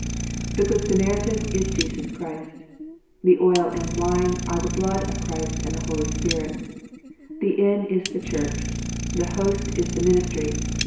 The good Samaritan is Jesus Christ The oil and wine are the blood of Christ and the Holy Spirit The inn is the Church. The host i» the ministry.